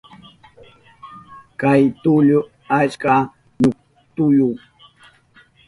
Kay tullu achka ñuchkuyu.